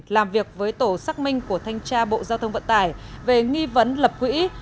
làm việc với tổ xác minh của thanh tra bộ giao thông vận tải về nghi vấn lập quỹ